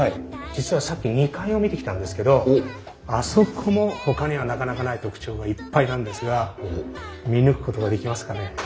実はさっき２階を見てきたんですけどあそこもほかにはなかなかない特徴がいっぱいなんですが見抜くことができますかね？